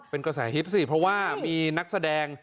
เป็นกระแสฮิตสิเพราะว่ามีนักแสดง